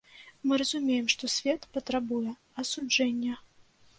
Мы разумеем, што свет патрабуе асуджэння.